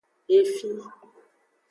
Efi.